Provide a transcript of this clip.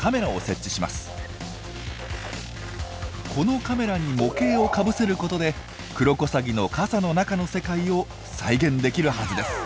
このカメラに模型をかぶせることでクロコサギの傘の中の世界を再現できるはずです。